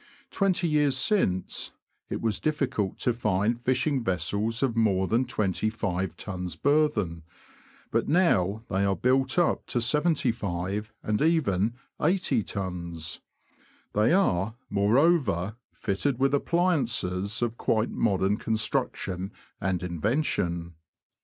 Twenty years since, it was difficult to find fishing vessels of more than twenty five tons burthen ; but now they are built up to seventy five, and even eighty, tons ; they are, moreover, fitted with appliances of quite modern construction and invention.